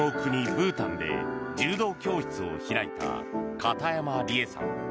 ブータンで柔道教室を開いた片山理絵さん。